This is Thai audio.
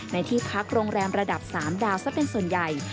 ในที่พักโรงแรมระดับ๓ดาวซะเป็นส่วนใหญ่